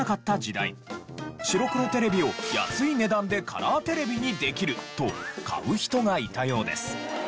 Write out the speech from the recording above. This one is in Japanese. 白黒テレビを安い値段でカラーテレビにできると買う人がいたようです。